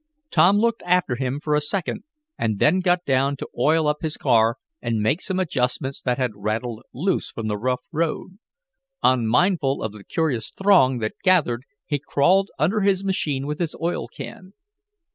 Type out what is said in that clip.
Tom looked after him for a second and then got down to oil up his car, and make some adjustments that had rattled loose from the rough road. Unmindful of the curious throng that gathered he crawled under the machine with his oil can.